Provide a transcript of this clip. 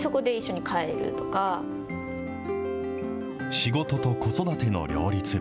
仕事と子育ての両立。